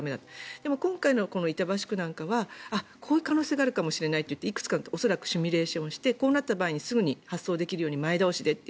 でも、今回の板橋区ではこういう可能性があるかもしれないといくつかシミュレーションしてこうなった場合すぐに発送できるように前倒しでと。